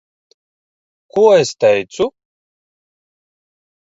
Ko es teicu?